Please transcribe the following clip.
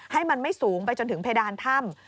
ให้มันไม่สูงไปจนถึงเพดานถ้ำ